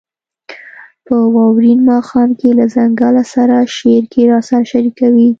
« په واورین ماښام کې له ځنګله سره» شعر کې راسره شریکوي: